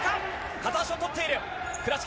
片足を取っている。